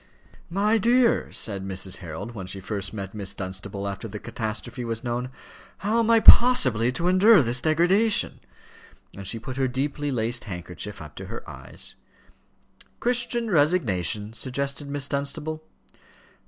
"My dear," said Mrs. Harold, when she first met Miss Dunstable after the catastrophe was known, "how am I possibly to endure this degradation?" And she put her deeply laced handkerchief up to her eyes. "Christian resignation," suggested Miss Dunstable.